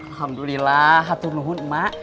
alhamdulillah hatunuhun mak